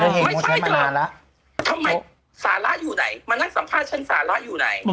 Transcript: ไม่ใช่เธอทำไมสาระอยู่ไหนมานั่งสัมภาษณ์ฉันสาระอยู่ไหน